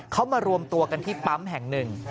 เขามารวมตัวกันที่ปั๊มแห่งหนึ่ง